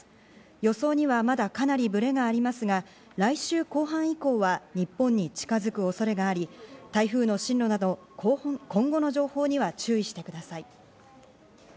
予想にはまだかなりブレがありますが、来週後半以降は日本に近づく恐れがあり、台風の進路など今後の情報には注意してください。